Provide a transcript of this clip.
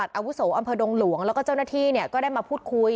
ประหลักอาวุศัวร์อำเภอดงหลวงแล้วก็เจ้าหน้าที่เนี่ยก็ได้มาพูดคุย